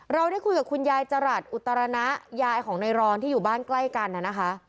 เราได้คุยกับคุณยายจรัสอุตรนะยายของในรอนที่อยู่บ้านใกล้กันนะคะ